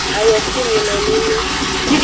Ayokumilo lolo.